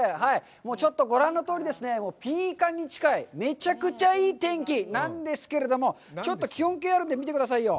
ちょっとご覧のとおりですね、ピーカンに近い、めちゃくちゃいい天気なんですけれども、ちょっと気温計があるんで、見てくださいよ。